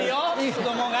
子供が。